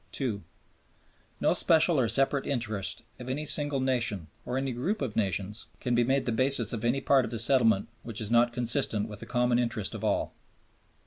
(2) "No special or separate interest of any single nation or any group of nations can be made the basis of any part of the settlement which is not consistent with the common interest of all."